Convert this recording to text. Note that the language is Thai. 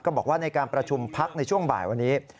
บอกว่าในการประชุมพักในช่วงบ่ายวันนี้